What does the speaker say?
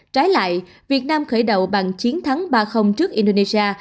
trái lại việt nam khởi động bằng chiến thắng ba trước indonesia